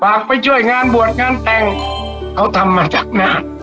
ไปช่วยงานบวชงานแต่งเขาทำมาจากหน้า